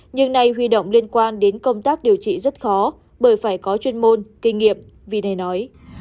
nhưng nay huy động liên quan đến công tác điều trị rất khó bởi phải có chuyên môn kinh nghiệm vì này nói